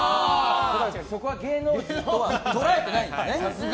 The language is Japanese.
そこは芸能人とは捉えてないんだね。